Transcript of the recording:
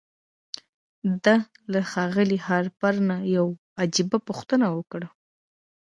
ده له ښاغلي هارپر نه يوه عجيبه پوښتنه وکړه.